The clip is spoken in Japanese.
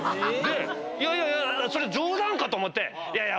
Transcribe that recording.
いやいやそれ冗談かと思って。